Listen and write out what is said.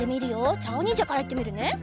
じゃああおにんじゃからいってみるね。